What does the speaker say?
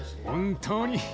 本当に。